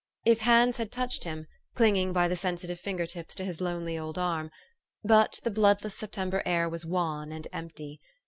If hands had touched him, clinging by the sensitive finger tips to his lonely old arm but the bloodless September air was wan and empty.